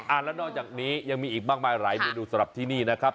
แล้วนอกจากนี้ยังมีอีกมากมายหลายเมนูสำหรับที่นี่นะครับ